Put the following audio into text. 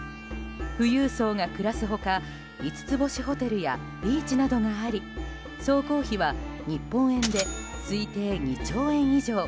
富裕層が暮らすほか五つ星ホテルやビーチなどがあり総工費は日本円で推定２兆円以上。